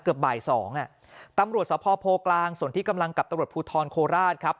เกือบบ่ายสองอ่ะตำรวจสภโพกลางส่วนที่กำลังกับตำรวจภูทรโคราชครับ